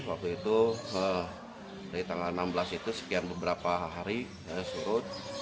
waktu itu dari tanggal enam belas itu sekian beberapa hari surut